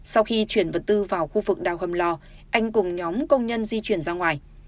sau khi chuyển vật tư vào khu vực đào hầm lò anh cùng nhóm công nhân di chuyển ra ngoài